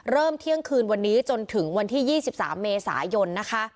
เริ่มเที่ยงคืนวันนี้จนถึงวันที่๒๓เมษายน